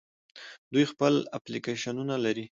دوی خپل اپلیکیشنونه لري.